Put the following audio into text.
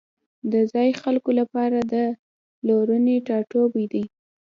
د ځایی خلکو لپاره دا د پلرونو ټاټوبی دی